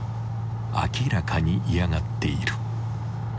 ［明らかに嫌がっている］